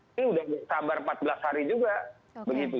ini sudah sabar empat belas hari juga begitu